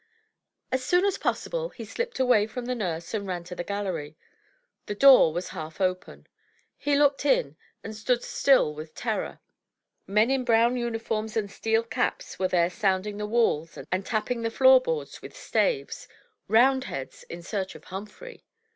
As soon as possible he sUpped away from the nurse and ran to the gallery. The door was half open. He looked in, and stood still with terror. Men in brown uniforms and steel caps were there sounding the walls and tapping the floor boards with staves — Roundheads in search of Humphrey!